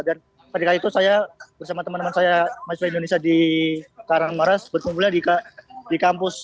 dan ketika itu saya bersama teman teman saya mas yudha indonesia di karamaras berkumpulnya di kampus